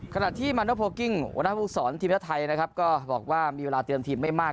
ขณะที่มันด้วยโครกิงวันนัทภูมิสอนทีมชาวไทยนะครับก็บอกว่ามีเวลาเตรียมทีมไม่มาก